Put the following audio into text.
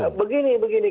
nah begini begini